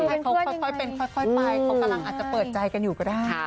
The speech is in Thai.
เขาค่อยไปเขากำลังอาจจะเปิดใจกันอยู่ก็ได้